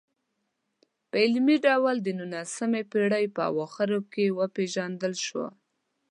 په علمي ډول د نولسمې پېړۍ په اخرو کې وپېژندل شوه.